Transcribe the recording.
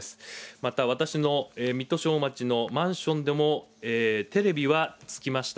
また、私の水戸市おおまちのマンションでもテレビはつきました。